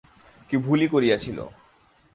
কী ভুলই করিয়াছিল!